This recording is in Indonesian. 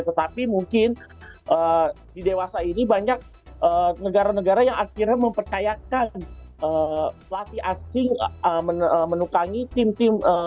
tetapi mungkin di dewasa ini banyak negara negara yang akhirnya mempercayakan pelatih asing menukangi tim tim